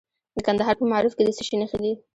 د کندهار په معروف کې د څه شي نښې دي؟